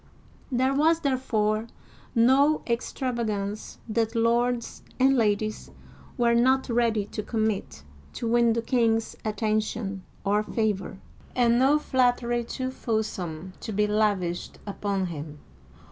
There was, therefore, no extravagance that lords and ladies were not ready to commit to win the king's attention or favor, and no flattery too fulsome to be lavished upon him.